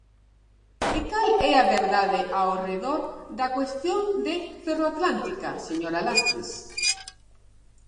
¿E cal é a verdade ao redor da cuestión de Ferroatlántica, señora Lastres?